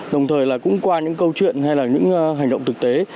đồng thời qua những câu chuyện hay những hành động thực tế